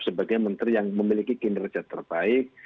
sebagai menteri yang memiliki kinerja terbaik